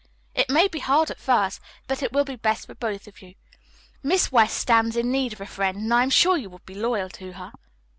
It may be hard at first, but it will be best for both of you. Miss West stands in need of a friend, and I am sure you would be loyal to her."